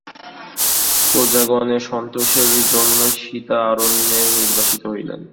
প্রজাগণের সন্তোষের জন্য সীতা অরণ্যে নির্বাসিতা হইলেন।